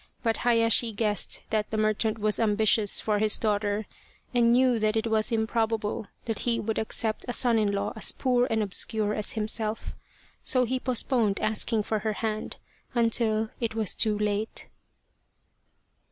But Hayashi guessed that the merchant was ambitious for his daughter, and knew that it was improbable that he would accept a son in law as poor and obscure as himself. So he postponed asking for her hand until it was too late.